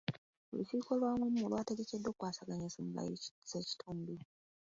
Olukiiko lwawamu lwategekeddwa okukwasaganya ensonga z'ekitundu.